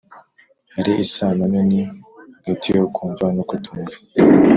hari isano nini hagati yo kumva no kutumva